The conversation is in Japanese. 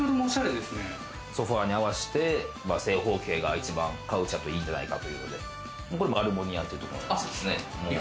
ソファに合わせて、正方形がいいんじゃないかということで、これもアルモニアというところのですね。